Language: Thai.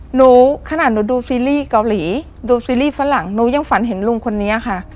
หนูขนาดหนูดูซีรีส์เกาหลีดูซีรีส์ฝรั่งหนูยังฝันเห็นลุงคนนี้ค่ะ